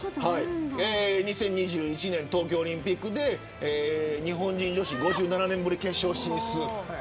２０２１年東京オリンピックで日本人女子５７年ぶり決勝進出。